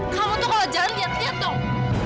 kamu tuh kalau jari lihat lihat dong